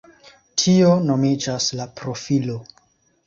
Tio nomiĝas la profilo.